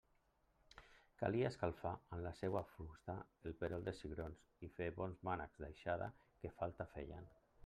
Calia escalfar amb la seua fusta el perol de cigrons i fer bons mànecs d'aixada, que falta feien.